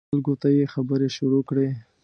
خلکو ته یې خبرې شروع کړې.